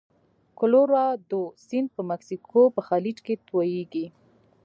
کلورادو سیند په مکسیکو په خلیج کې تویږي.